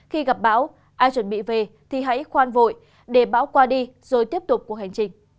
khi gặp bão ai chuẩn bị về thì hãy khoan vội để bão qua đi rồi tiếp tục cuộc hành trình